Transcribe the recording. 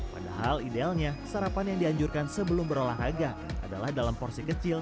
padahal idealnya sarapan yang dianjurkan sebelum berolahraga adalah dalam porsi kecil